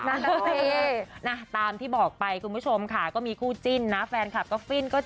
น่าเท่าไหร่นะตามที่บอกไปคุณผู้ชมค่ะก็มีคู่จิ้นนะแฟนคลับก็ฟินนะ